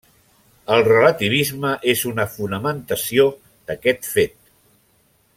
El relativisme és una fonamentació d'aquest fet.